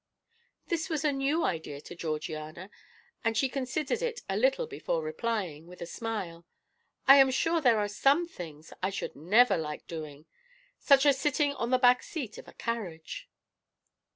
This was a new idea to Georgiana, and she considered it a little before replying, with a smile: "I am sure there are some things I should never like doing, such as sitting on the back seat of a carriage."